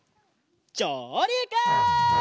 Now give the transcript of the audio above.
じょうりく！